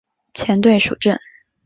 前队属正。